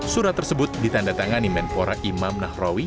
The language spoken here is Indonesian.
surat tersebut ditandatangani menpora imam nahrawi